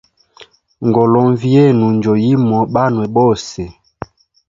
Ngolonvi yenu njo yimo banwe bose.